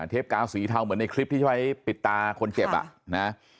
กาวสีเทาเหมือนในคลิปที่ใช้ปิดตาคนเจ็บอ่ะนะ